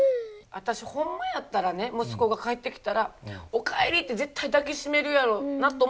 私ホンマやったらね息子が帰ってきたら「お帰り！」って絶対抱き締めるやろうなと思ったの。